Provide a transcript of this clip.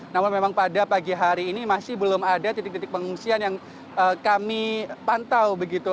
namun memang pada pagi hari ini masih belum ada titik titik pengungsian yang kami pantau begitu